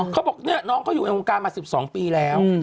เขาบอกเนี่ยน้องเขาอยู่ในวงการมา๑๒ปีแล้ว